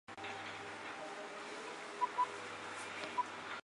圣以诺广场是许多教堂的所在地。